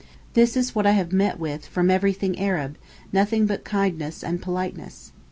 This is what I have met with from everything Arab—nothing but kindness and politeness.